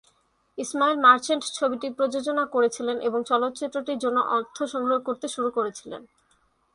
ইসমাইল মার্চেন্ট ছবিটি প্রযোজনা করছিলেন এবং চলচ্চিত্রটির জন্য অর্থ সংগ্রহ করতে শুরু করেছিলেন।